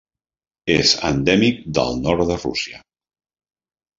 És endèmic del nord de Rússia.